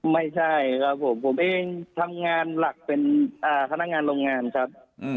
ไม่ใช่ครับผมผมเองทำงานหลักเป็นพนักงานโรงงานครับ